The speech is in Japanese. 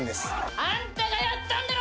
あんたがやったんだろ！